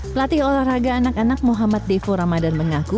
pelatih olahraga anak anak muhammad devo ramadan mengaku